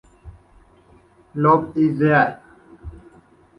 Love is Dead